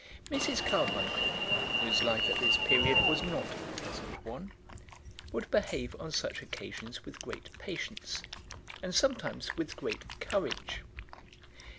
Mrs. Carbuncle, whose life at this period was not a pleasant one, would behave on such occasions with great patience, and sometimes with great courage.